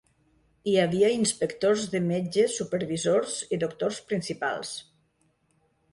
Hi havia inspectors de metges, supervisors i doctors principals.